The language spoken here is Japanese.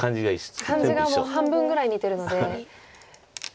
漢字が半分ぐらい似てるので。